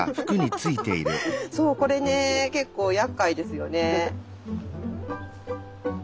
そうこれね結構やっかいですよね。